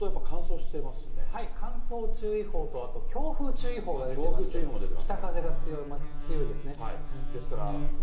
はい、乾燥注意報と、あと強風注意報が出てまして、北風が強いですね。